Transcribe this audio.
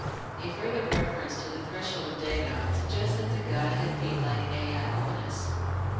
A further reference to "the threshold of Dagon" suggests that the god had feet like Ea Oannes.